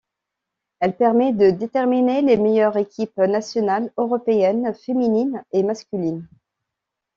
Elle permet de déterminer les meilleures équipes nationales européennes féminines et masculines.